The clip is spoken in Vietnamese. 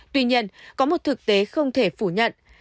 tuy nhiên có một thực tế không thể phủ nhận